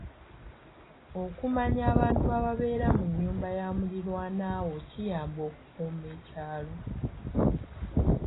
Okumanya abantu ababeera mu nnyumba ya mulirwana wo kiyamba okukuuma ekyalo.